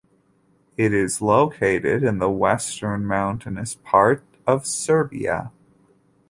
It is located in the western, mountainous part of Serbia.